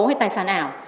hay tài sản ảo